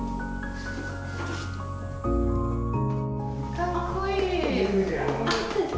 かっこいい。